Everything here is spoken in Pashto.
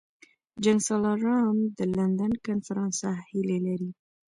جنګسالاران د لندن کنفرانس څخه هیلې لري.